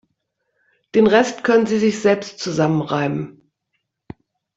Den Rest können Sie sich selbst zusammenreimen.